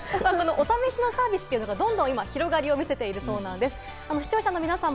お試しのサービスというのが今どんどん広がりを見せているそうです。